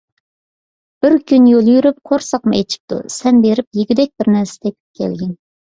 بىر كۈن يول يۈرۈپ قورساقمۇ ئېچىپتۇ. سەن بېرىپ يېگۈدەك بىرنەرسە تېپىپ كەلگىن.